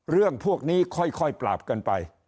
ส่วนพวกนี้ค่อยด้วยต่อสู่การปรุกราป